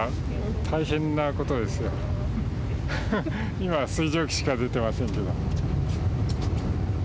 今は水蒸気しか出てませんけど。